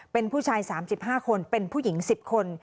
เป็นผู้ชาย๓๕คนเป็นผู้หญิง๑๐คน